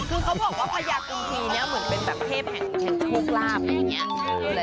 คือเขาบอกว่าพญากุธีนี่เหมือนเป็นแบบเทพแห่งโทษลาภ